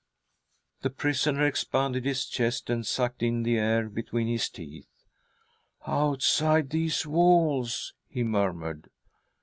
" The prisoner expanded his chest and sucked in the air between his teeth. " Outside these walls !" he murmured.